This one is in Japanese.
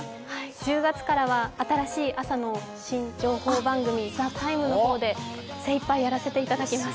１０月からは新しい朝の情報番組「ＴＨＥＴＩＭＥ，」の方で精いっぱいやらせていただきます。